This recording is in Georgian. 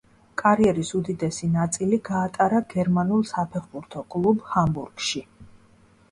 კარიერის უდიდესი ნაწილი გაატარა გერმანულ საფეხბურთო კლუბ ჰამბურგში.